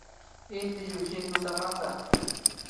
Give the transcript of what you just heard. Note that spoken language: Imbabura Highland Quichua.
Inti llukshin tutamanta